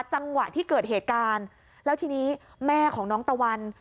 จังหวะที่เกิดเหตุการณ์แล้วทีนี้แม่ของน้องตะวัน